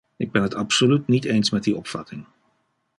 Ik ben het absoluut niet eens met die opvatting.